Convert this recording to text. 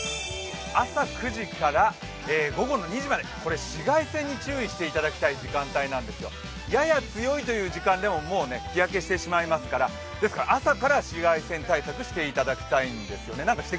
朝９時から午後２時まで紫外線に注意していただきたい時間なんですよ。やや強いという時間でも、もう日焼けしてしまいますから朝から紫外線対策、していただきたいんですよね。